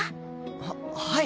ははい！